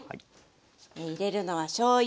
入れるのはしょうゆ。